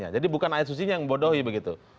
jadi bukan ayat suci yang membodohi begitu